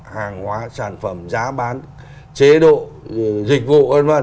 hàng hóa sản phẩm giá bán chế độ dịch vụ v v